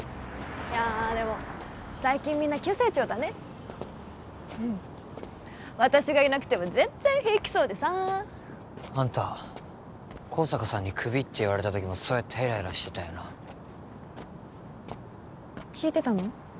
いやあでも最近みんな急成長だね私がいなくても全然平気そうでさあんた香坂さんにクビって言われた時もそうやってヘラヘラしてたよな聞いてたの？